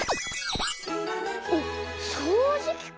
おっそうじきか。